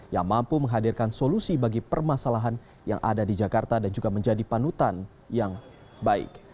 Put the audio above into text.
yang mampu menghadirkan solusi bagi permasalahan yang ada di jakarta dan juga menjadi panutan yang baik